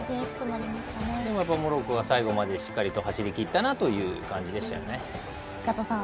でも、モロッコが最後までしっかり走り切ったなという試合でしたよね。